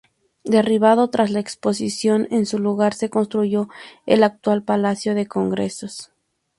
Derribado tras la Exposición, en su lugar se construyó el actual Palacio de Congresos.